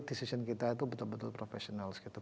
dan keputusan kita itu betul betul profesional gitu